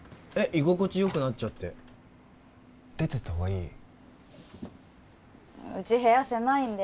えっ居心地よくなっちゃって出てったほうがいい？